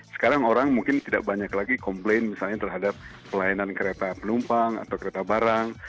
sekarang orang mungkin tidak banyak lagi komplain misalnya terhadap pelayanan kereta penumpang atau kereta barang